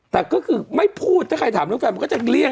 แต่ก็คือไม่พูดถ้าใครถามเรื่องแฟนมันก็จะเลี่ย